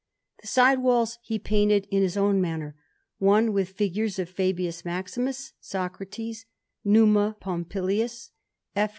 The side walls he painted in his own manner; one with figures of Fabius Maximus, Socrates, Numa Pompilius, F.